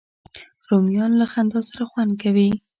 رومیان له خندا سره خوند کوي